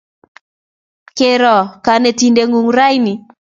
Kero kanetindet ng'ung' rani?